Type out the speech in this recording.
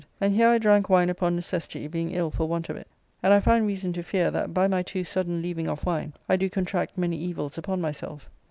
And here I drank wine upon necessity, being ill for want of it, and I find reason to fear that by my too sudden leaving off wine, I do contract many evils upon myself.